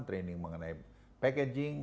training mengenai packaging